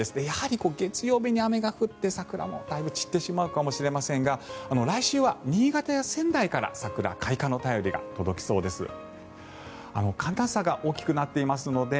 やはり月曜日に雨が降って桜もだいぶ散ってしまうかもしれませんが来週は新潟や仙台から桜開花の便りが届きそうです。